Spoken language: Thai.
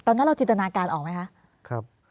ตอนนั้นเราจินตนาการออกไหมคะ